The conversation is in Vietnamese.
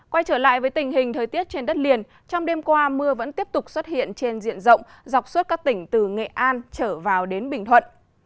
quay trở lại với tình hình thời tiết trên đất liền trong đêm qua mưa vẫn tiếp tục xuất hiện trên diện rộng dọc suốt các tỉnh từ nghệ an trở vào đến bình thuận